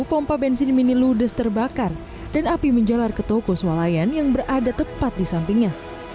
sepuluh pompa bensin mini ludes terbakar dan api menjalar ke toko swalayan yang berada tepat di sampingnya